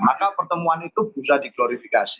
maka pertemuan itu bisa diglorifikasi